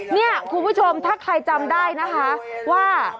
เนี่ยคุณผู้ชมถ้าใครจำได้นะคะว่า